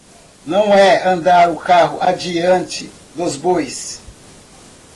Não é andar o carro adiante dos bois.